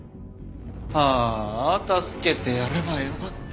あーあ助けてやればよかったのに。